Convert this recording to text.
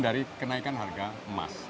dari kenaikan harga emas